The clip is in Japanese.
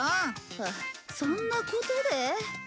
ハアそんなことで。